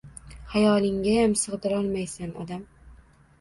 Xayolinggayam sigʻdirolmaysan odam